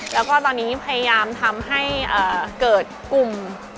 แล้วก็ตอนนี้พยายามทำให้เกิดกลุ่ม